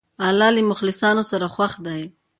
الله له مخلصانو خوښ دی.